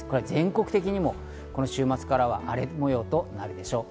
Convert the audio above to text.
全国的にも週末からは荒れ模様となるでしょう。